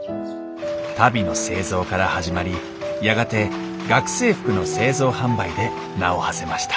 足袋の製造から始まりやがて学生服の製造販売で名をはせました